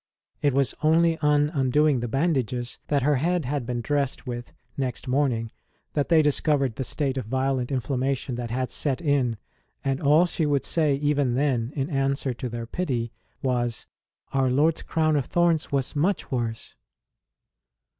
It was only on undoing 42 ST. ROSE OF LIMA the bandages that her head had been dressed with, next morning, that they discovered the state of violent inflammation that had set in; and all she would say even then, in answer to their pity, was Our Lord s Crown of Thorns was much worse.